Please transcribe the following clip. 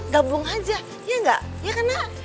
gabung aja ya gak